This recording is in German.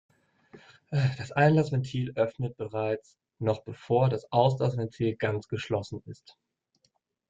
Das Einlassventil öffnet bereits, noch bevor das Auslassventil ganz geschlossen ist.